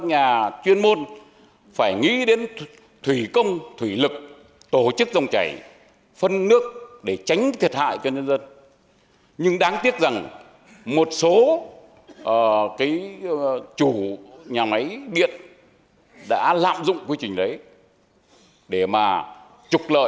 nhà máy điện đã lạm dụng quy trình đấy để mà trục lợi